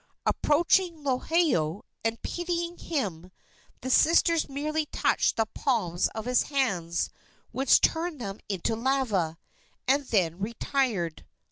Approaching Lohiau, and pitying him, the sisters merely touched the palms of his hands, which turned them into lava, and then retired.